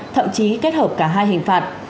thậm chí kết hợp cả hai hình phạt